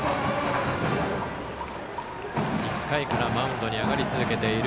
１回からマウンドに上がり続けている